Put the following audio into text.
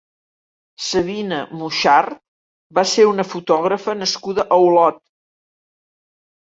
Sabina Muchart va ser una fotògrafa nascuda a Olot.